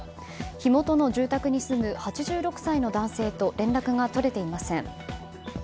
火元の住宅に住む８６歳の男性と連絡が取れていません。